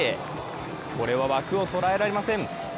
これは枠を捉えられません。